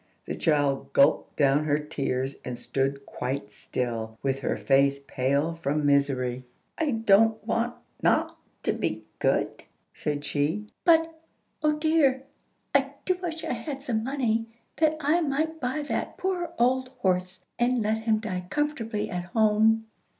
The child gulped down her tears, and stood quite still, with her face pale from very misery. "I don't want not to be good," said she. "But, oh dear, I do wish I had some money, that I might buy that poor old horse, and let him die comfortably at home."